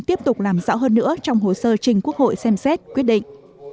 tiếp tục làm rõ hơn nữa trong hồ sơ trình quốc hội xem xét quyết định